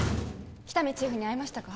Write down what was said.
喜多見チーフに会いましたか？